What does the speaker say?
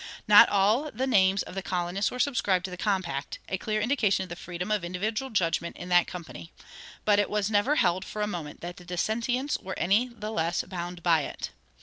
Not all the names of the colonists were subscribed to the compact, a clear indication of the freedom of individual judgment in that company, but it was never for a moment held that the dissentients were any the less bound by it.